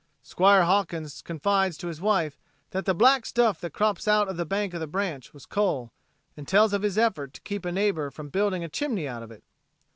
Squire Hawkins confides to his wife that the "black stuff that crops out on the bank of the branch" was coal, and tells of his effort to keep a neighbor from building a chimney out of it.